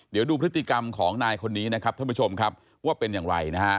เดี๋ยวดูพฤติกรรมของนายคนนี้นะครับท่านผู้ชมครับว่าเป็นอย่างไรนะฮะ